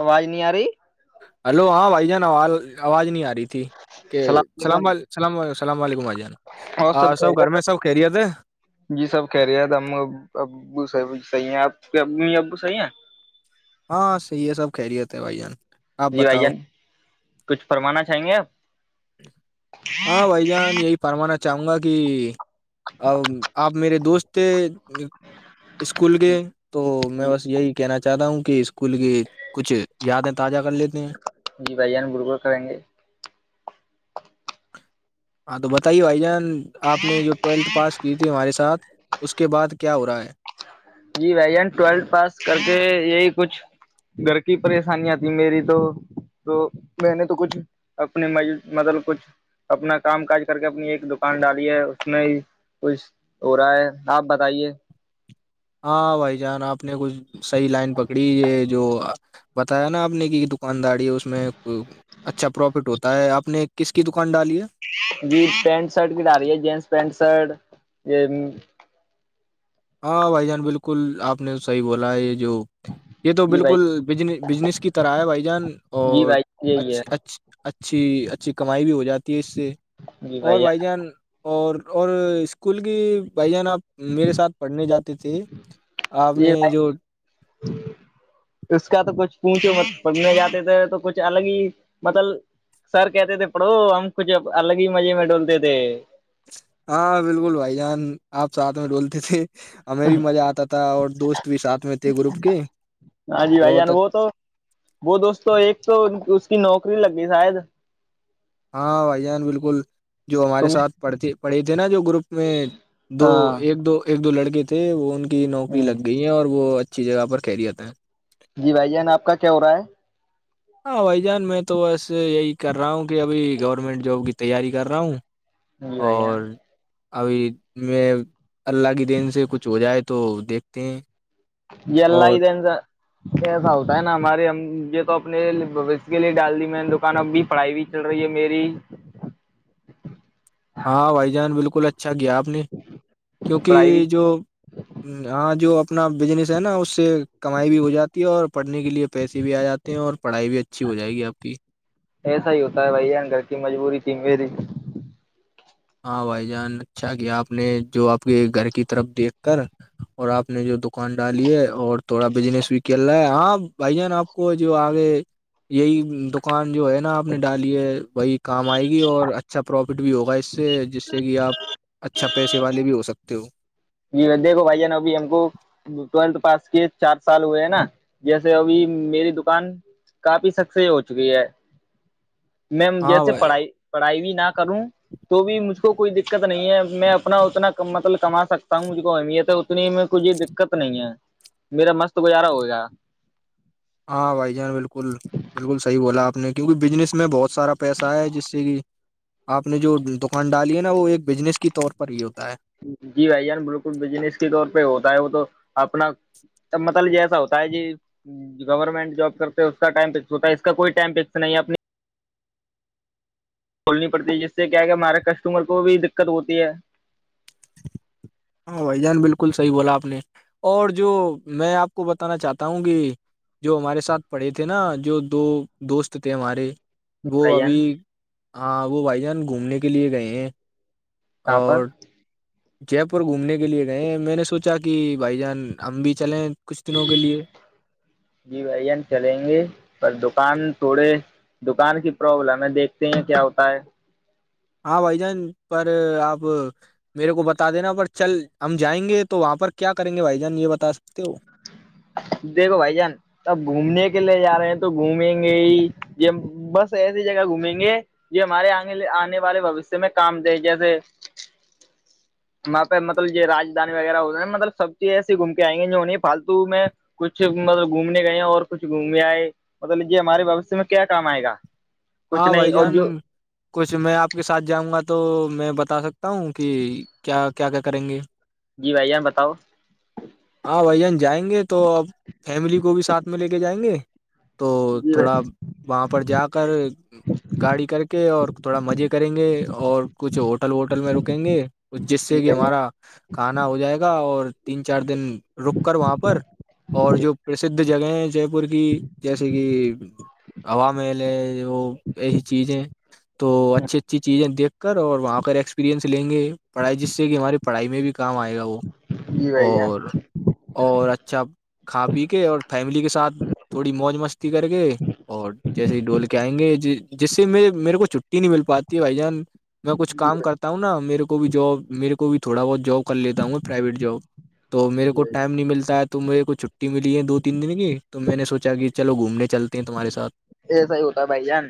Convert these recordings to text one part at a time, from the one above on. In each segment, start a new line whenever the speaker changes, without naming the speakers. آواز نہیں آ رہی
ہلو ہاں بھائی جان آواز آواز نہیں آ رہی تھی کہ
السلام علیکم
سلام
اور سب خیریت
[inaudible]
جی سب کہہ رہی ہیں ہم ابو صحی ہیں آپ کے امی ابو صحیح ہیں
ہاں یہ سب خہریے تھے بھائی جان آپ
جی بھائی
بتاؤ
جان کچھ فرمانا چاہیں گے آپ
ہاں بھائی جان یہی فرمانا چاہوں گا کہ ا آپ میرے دوست تھے اسکول گئے تو میں
جی
بس یہی کہنا چاہتا ہوں کہ اسکول کی کچھ یادیں تازہ کر لیتے ہیں
جی بھائیان گولکل کریں گے
ہاں تو بتائیے بھائی جان آپ نے جو ٹویلتھ پاس کی تھی ہمارے ساتھ اس کے بعد کیا ہو رہا ہے
جی بھائی جان ٹویلتھ پاس کر کے یہی کچھ گھر کی پریشانییا آتی میری تو تو میں نے تو کچھ اپنی م مطلب کچھ اپنا کام کاج کر کے اپنی ایک دکان ڈالی ہے اس میں ہی کچھ ہو رہا ہے آپ بتائیے
ہاں بھائی جان آپ نے کچھ صحیح لائن پکڑی یہ جو بتایا نا آپ نے کہ دکانداری ہے اس میں اچھا پروفٹ ہوتا ہے آپ نے کس کی دکان ڈالی ہے
جی پینٹ شرٹ کی ڈا رہی ہے جینس پینٹ شرٹ یہ
ہاں بھائی جان بالکل آپ نے صحیح بولا ہے یہ جو یہ تو
جی بھائی
بالکل ب بجنس کی طرح ہے بھائی جان
جی
اور
بھائی یہی ہے
اچ اچ چ اچھی اچھی کمائی بھی ہو جاتی ہے اس سے اور بھائی جان اور اور اسکول کی بھائی جان آپ میرے ساتھ پڑھنے جاتے تھے آپ
جی
نے
بھائی
جو
اس کا تو کچھ پونچو پڑھنے جاتے تھے تو کچھ الگ ہی مطلب سر کہتے تھے پڑھو ہم کچھ الگ ہی مزے میں ڈولتے تھے
ہاں بالکل بھائی جان آپ ساتھ میں ڈولتے تھے ہمیں بھی مزہ آتا تھا اور دوست بھی ساتھ میں تھے گروپ کے
ہاں جی بھائی جان
بہتچھ
وہ تو وہ دوستوں ایک تو اس کی نوکری لگ گئی شاید
ہاں بھائی جان بالکل جو ہمارے
سمت
ساتھ پڑھتے پڑھے تھے نا جو گروپ میں دو
ہاں
ایک دو ایک دو لڑکےے تھے وہ ان کی نوکری
ہ
لگ گئی ہیں اور وہ اچھی جگہ پر خرییات ہیں
جی بھائی جان آپ کا کیا ہو رہا ہے
ہاں بھائی جان میں تو بس یہی کر رہا ہوں کہ ابھی گورنمنٹ جاب کی تیاری کر رہا ہوں
جی بھائی
اور
جان
ابھی میں اللہ کے دین سے کچھ ہو جائے تو دیکھتے ہیں
یہلہ
اور
انا ایسا ہوتا ہے نا ہمارے ہم یہ تو اپنے بوشیہ کے لیے ڈال دی میں نے دکان اب بھی پڑھائی ہوئی چل رہی ہے میری
ہاں بھائی جان بالکل اچھا کیا آپ نے کیونکہ
پڑھائی بھی
جو ہاں جو اپنا بزنس ہے نا اس سے کمائی بھی ہو جاتی ہے اور پڑھنے کے لیے پیسے بھی آ جاتے ہیں اور پڑھائی بھی اچھی ہو جائے گی آپ کی
ایسا ہی ہوتا ہے بھائی ہے گھر کی مجبوری ت میری
ہاں بھائی جان اچھا کیا آپ نے جو آپ کے گھر کی طرف دیکھ کر اور آپ نے جو دکان ڈالی ہے اور تھوڑا بجنس بھی ک رہا ہے ہاں بھائی جان آپ کو جو آگے یہی دکان جو ہے نا آپ نے ڈالی ہے وہی کام آئے گی اور اچھا پروفٹ بھی ہوگا اس سے جس سے کہ آپ اچھا پیسے والے بھی ہو سکتے ہو
جی دیکھو بھائی جان ابھی ہم کو ٹویلتھ پاس کی چار سال ہوئے ہیں نا جیسے ابھی میری دکان کافی سکسی ہو چکی ہے
[inaudible]
میں
ہاں
جیسے
بھائی
پڑھائی پڑھائی بھی نہ کروں تو بھی مجھ کو کوئی دقت نہیں ہے میں اپنا اتنا مطلب کما سکتا مجھ کو اہمیت ہے اتنی میں کچھ دقت نہیں ہے میرا مست گزارا ہو گیا
ہاں بھائی جان بالکل بالکل صحیح بولا آپ نے کیونکہ بزنس میں بہت سارا پیسہ ہے جس سے کہ آپ نے جو دکان ڈالی ہے نا وہ ایک بزنس کے طور پر ہی ہوتا ہے
جی بھائی جان بالکل بجنس کے طور پہ ہوتا ہے وہ تو اپنا تب مطتلجیے ایسا ہوتا ہے جی گورنمنٹ جاب کرتے ہیں اس کا ٹائم فکس ہوتا ہے اس کا کوئی ٹائم فکس نہیں اپنی کھولنی پڑتی ہے جس سے کیا کہ ہمارے کسٹمر کو بھی دقت ہوتی ہے
ہاں بھائی جان بالکل صحیح بولا آپ نے اور جو میں آپ کو بتانا چاہتا ہوں کہ جو ہمارے ساتھ پڑھے تھے نا جو دو دوست تھے ہمارے وہ
بھائی جان
ابھی ہاں وہ بھائی جان گھومنے کے لیے گئے ہیں
کہاں پر
اور جے پور گھومنے کے لیے گئے میں نے سوچا کہ بھائی جان ہم بھی چلیں کچھ دنوں کے لیے
جی بھائیان چلیں گے پر دکان تھوڑے دکان کی پروابلم ہے دیکھتے ہیں کیا ہوتا ہے
ہاں بھائی جان پر آپ میرے کو بتا دینا پر چل ہم جائیں گے تو وہاں پر کیا کریں گے بھائی جان یہ بتا سکتے ہو
دیکھو بھائی جان اب گھومنے کے لیے جا رہے ہیں تو گھومیں گے ہی یہ بس ایسی جگہ گھومیں گے جو ہمارے آ آنے والے بوشیہ میں کام تھ جیسے وہاں پہ مطلب رادھانی وغیرہ ہو ہےا مطلبیز ایسی گھوم کے آئیں گے جو انہیں فالتو میں کچھ مطلب گھومنے گئے اور کچھ گھومنے آئے بتا لیجیے ہمارے بھشیہ میں کیا کام آئے گا کچھ
ہاں
نہیں
بھائی
اور
جان
جو
کچھ میں آپ کے ساتھ جاؤں گا تو میں بتا سکتا بتا ہوں کہ کیا کیا کیا کریں گے
جی بھائییا بتاؤ
ہاں بھائیان جائیں گے تو آب فیملی کو بھی ساتھ میں لے کے جائیں گے تو
جی
تھوڑا
بھائی
وہاں پر جا کر گاڑی کر کے اور تھوڑا مزے کریں گے اور کچھ ہوٹل ووٹل میں رکیں گے اس جس
جی
سے کہ
بھائی
ہمارا کھانا ہو جائے گا اور تین چار دن رک کر وہاں پر اور
جی
جو پرسدھ جگہ ہیں جے پور کی جیسے کہ ہوا محل ہے وہ ایی چیز ہے تو اچھی اچھی چیزیں دیکھ کر اور وہاں کر ایکسپیریئنس لیں گے پڑھائی جس سے کہ ہمارے پڑھائی میں بھی کام آئے گا وہ
جی بھائی جان
اور اور اچھا کھا پی کے اور فیملی کے ساتھ تھوڑی موج مستی کر کےے اور جیسے ہی ڈول کے آئیں گے ج جس سے میں میرے کو چھٹی نہیں مل پاتی ہے بھائی جان میں کچھ
جی
کام کرتا ہوں نا میرے کو بھی جاب میرے کو بھی تھوڑا بہت جاب کر لیتا ہوں میں پرائیویٹ جاب تو
بھائی
میرے
جی
کو
بھائی
ٹائم نہیں ملتا ہے تو میرے کو چھٹی ملی ہے دو تین دن کی تو میں نے سوچا کہ چلو گھومنے چلتے تمہارے ساتھ
یہ سح ہی ہوتا بھائی جان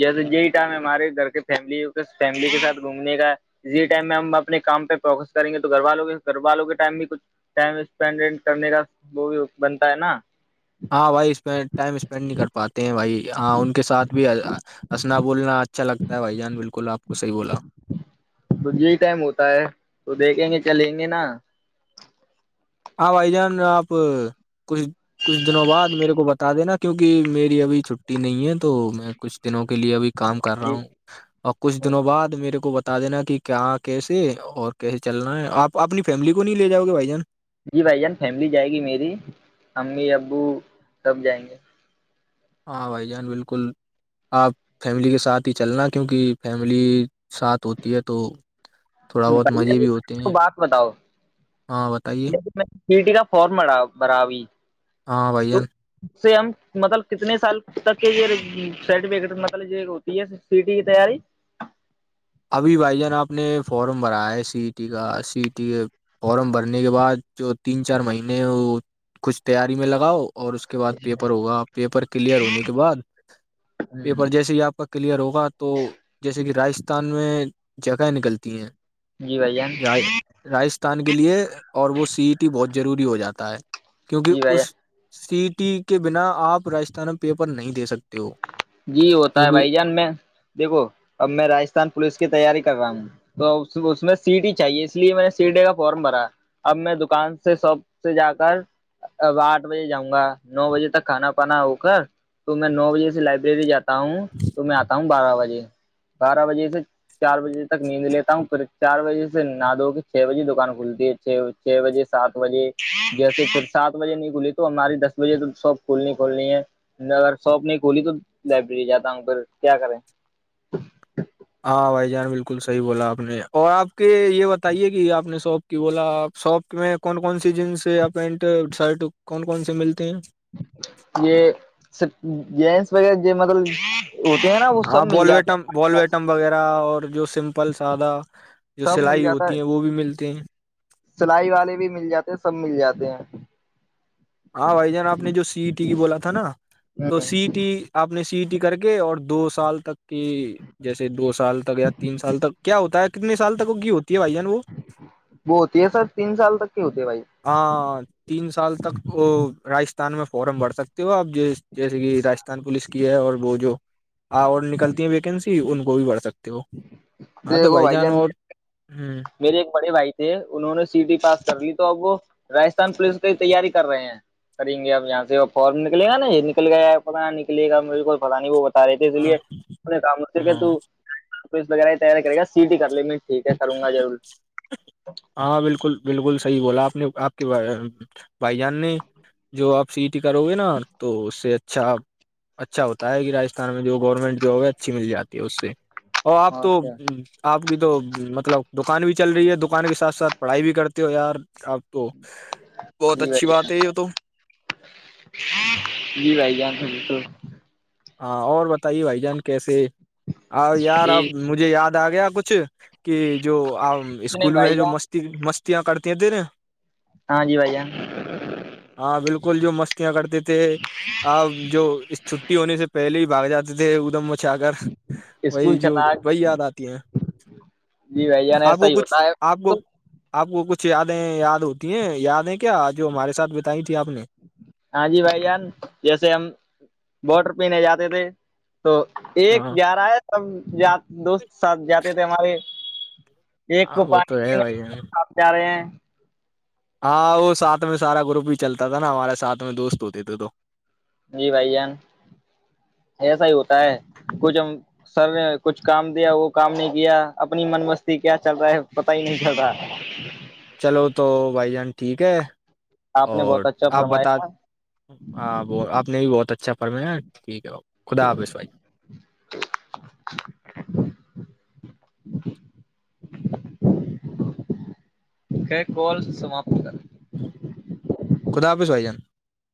جیسے یہی ٹائم ہے ہمارے گھر کے فیملی فیملی کے ساتھ گھومنے کا اسی ٹائم میں ہم اپنے کام پہ فوکس کریں گے تو گھر والوں کے گھر والوں کے ٹائم بھی کچھ ٹائم اسپینڈ اڈ کرنے کا وہ بھی بنتا ہے نا
ہاں بھائی ٹائم اسپینڈ نہیں کر پاتے ہیں بھائی ہاں ان کے ساتھ بھی ہسنا بولنا اچھا لگتا بھائی جان بالکل آپ کو صحی بولا
تو یہی ٹائم ہوتا ہے تو دیکھیں گے چلیں گے نا
ہاں بھائی جان آپ کچھ کچھ دنوں بعد میرے کو بتا دینا کیوںکہ میری ابھی چھٹی نہیں ہے تو میں کچھ دنوں کے لیے اب کام کر رہا
جی
ہوں اور کچھ دنوں بعد میرے کو بتا دینا کہ کیا کیسے اور کیسے چلنا ہے آپ اپنی فیملی کو نہیں لے جاؤ گے بھائی جان
جی بھائی جان فیملی جائے گی میری امی ابو سب جائیں گے
ہاں بھائی جان بالکل آپ فیملی کے ساتھ ہی چلنا کیونکہ فیملی ساتھ ہوتی ہے تو تھوڑا بہت
بھائی
مزے
جان
بھی ہوتے
کو
ہیں
بات
ہاں بتائیے
تھری ٹی کا فارم ما برا بھی
ہاں بھائی جان
سے ہم مطلب کتنے سال تک کے یہ سرٹیفکٹ مطلب یہ ہوتی ہے سیٹی کی تیاری
ابھی بھائی جان آپ نے فارم بھرا ہے سی ای ٹی کا سی ای ٹی کے فارم بھرنے کے بعد جو تین چار مہینے ہیں وہ کچھ تیاری میں لگاؤ اور اس کے بعد پیپر ہوگا پیپر کلیئر ہونے کے بعد پیپر
ہ
جیسے ہی آپ کا کلیئر ہوگا تو جیسے کہ راجستھان میں جگہیں نکلتی ہیں
جی بھ جان
راجستھان کے لیے اور وہ سی ای ٹی بہت ضروری ہو جاتا ہے کیونکہ
جی بھائی جان
اس سی ٹی کے بنا آپ راجستھان میں پیپر نہیں دے سکتے ہو
جی ہوتا ہے
کیونکہ
بھائی جان میں دیکھو اب میں راستھان پولیس کی تیاری کر رہا ہوں تو اس میں سیٹی ہی چاہیے اس لیے میں نے سی ڈے کا فارم بھرا اب میں دکان سے شاپ سے جا کر اب آٹھ بجے جاؤں گا نو بجے تک کھانا پانا ہو کر تو میں نو بجے سے لائبریری جاتا ہوں تو میں آتا ہوں بارہ بجے بارہ بجے سے چار بجے تک نیند لیتا ہوں پھر چار بجے سے نہ دو کے چھ بجے دکان کھلتی ہے چھ چھ بجے سات بجے جیسے پھر سات بجے نہیں کھلی تو ہماری دس بجے تو شاپ کھلنی کھولنی ہے میں اگر شاپ نہیں کھولی تو لائبریری جاتا ہوں پھر کیا کریں
ہاں بھائی جان بالکل صحیح بولا آپ نے اور آپ کے یہ بتائیے کہ آپ نے شاپ کہ بولا آپ شاپ میں کون کون سی جینس یا پینٹ شرٹ کون کون سے ملتے ہیں
یہ س جینس وغیرہ مطلب ہوتے ہیں نا وہ
ہاں
سب مل جاتے
بولویٹم
ہیں
بالویٹم وغیرہ اور جو سمپل سادہ جو
سب مل
سلائی
جاتا
ہوتی
ہے
ہیں وہ بھی ملتے ہیں
سلائی والے بھی مل جاتے ہیں سب مل جاتے ہیں
ہاں بھائی جان آپ نے جو سی ٹی کی بولا تھا نا تو
ہ
سی ٹی آپ نے سی ٹی کر کے اور دو سال تک کی جیسے دو سال یا تین سال تک کیا ہوتا ہے کتنے سال تک وہ کی ہوتی ہے بھائی جان وہ
یہ سر تین سال تکے ہوتے بھائی
ہ تین سال تک وہ راجستھان میں فورم بھر سکتے ہو آپ جیسے کہ راجستھان پولیس کی ہے اور وہ جو اور نکلتی ہے ویکینسی تی ان کو بھی بھر سکتے ہو ہاں تو بھائی جان اور ہوں
میرے ایک بڑے بھائی تھے انہوں نے سی ڈٹی پاس کر لی تو اب وہ راجستھان پولیس کی تیاری کر رہے ہیں کریں گے اپ یہاں سے وہ فارم نکلے گا یہ نکل گیا ہے پتہ نکلے گا میرے کو پتا نہیں وہ رہے تھے اس لیے کام
ہاں
کہس وغیرہ یہ تیار کرے گا سیٹی کر لینے ٹھیک ہے کروں گ ضرور
ہاں بالکل بالکل صحیح بولا آپ نے آپ بھائی جان نے جو آپ سی کرو گے نا تو اس سے اچھا اچھا ہوتا ہے کہ راجستھان میں جو گورنمنٹ جواب ہے اچھی مل جاتی ہے اس سے اور آپ تو
اچھا
آپ کی تو م مطلب دکان بھی چل رہی ہے دکان کے ساتھ ساتھ پڑھائی بھی کرتے ہو یار آپ تو بہت
جی
اچھی
بھائی
بات
جان
ہے یہ تو
جی بھائی کیاان تھاب تو
ہاں اور بتائیے بھائی جان کیسے آ یار اب مجھے یاد آ گیا کچھ کہ جو آپ
نہیں
اسکول
بھائی
میں جو
جان
مست مستیاں کرتی ہیں تیریں
ہاں جی بھائی جان
ہاں بالکل جو مستیاں کرتے تھے آپ جو اس چ ہونے سے پہل ہی باگاتے تھے ادم م اھاگر وہی
اسکول
جو
چلا
وہی یاد آتی ہیں
جی بھائی جان
آپ
ایسا
کو
ہی
کچھ
ہوتا ہے
آپ کو
تو
آپ کو کچھ یادیں یاد ہوتی ہیں یادیں کیا جو ہمارے ساتھ بتائی تھی آپ نے
ہاں جی بھائی جان جیسے ہم بوٹر پینے جاتے تھے تو ایک
ہاں
جا رہا ہے سب دوست ساتھ جاتے تھے ہمارے ایک
ہاں،
کو
وہ تو ہے
پانی
بھائی جان،
آپ جا رہے ہیں
ہاں وہ ساتھ میں سارا گروپ ہی چلتا تھا نا ہمارے ساتھ میں دوست ہوتے تھے تو
جی بھائی جان ایسا ہی ہوتا ہے کچھ ہم سر نے کچھ کام دیا وہ کام نہیں کیا اپنی من مستی کیا چل رہا ہے پتا ہی نہیں چل رہا ہے
چلو تو بھائی جان ٹھیک ہے
آپ نے
اور
بہت اچھا
آپ بتا
فرمایا
ہاں ب آپ نے بھی بہت اچھا فرھمیا ٹھیک ہے خدا حافظ بھائی
[inaudible] کیا کال سماپت کر
خدا حافظ بھائی جان